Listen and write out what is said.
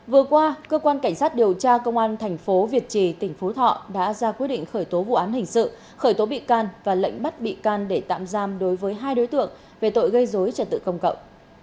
vừa qua cơ quan cảnh sát điều tra công an thành phố việt trì tỉnh phú thọ đã ra quyết định khởi tố vụ án hình sự khởi tố bị can và lệnh bắt bị can để tạm giam đối với hai đối tượng về tội gây dối trật tự công cậu